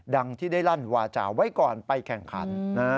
ดังที่ได้ลั่นวาจาไว้ก่อนไปแข่งขัน